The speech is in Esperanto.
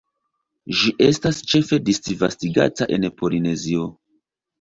Ĝi estas ĉefe disvastigata en Polinezio.